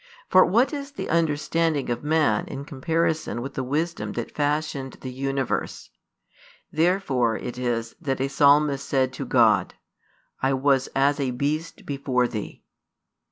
For what is the understanding of man in comparison with the wisdom that fashioned the universe? Therefore it is that a Psalmist said to God: I was as a beast before Thee.